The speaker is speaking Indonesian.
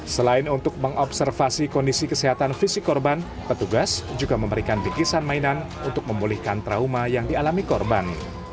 selain untuk mengobservasi kondisi kesehatan fisik korban petugas juga memberikan bikisan mainan untuk memulihkan trauma yang dialami korban